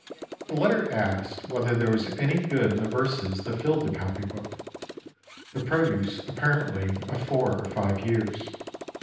The letter asked whether there was any good in the verses that filled the copy book, the produce apparently of four or five years.